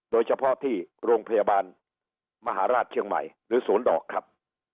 โดยเฉพาะที่โรงพยาบาลมหาราชเชียงใหม่หรือศูนย์ดอกครับ